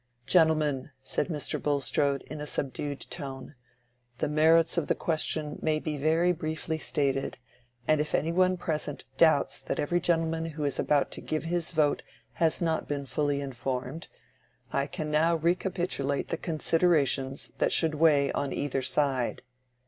"Gentlemen," said Mr. Bulstrode, in a subdued tone, "the merits of the question may be very briefly stated, and if any one present doubts that every gentleman who is about to give his vote has not been fully informed, I can now recapitulate the considerations that should weigh on either side."